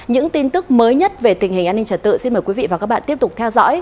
những tin tức mới nhất về tình hình an ninh trật tự xin mời quý vị và các bạn tiếp tục theo dõi